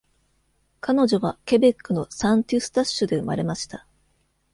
彼女はケベックのサン＝テュスタッシュで生まれました。